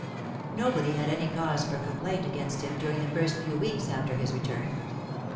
Nobody had any cause for complaint against him during the first few weeks after his return.